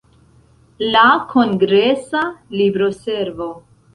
La kongresa libroservo.